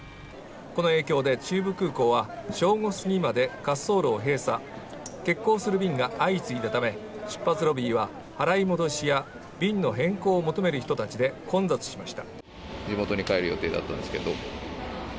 この影響で中部空港は正午すぎまで滑走路を閉鎖、欠航する便が相次いだため出発ロビーは払い戻しや便の変更を求める人たちで混雑しました。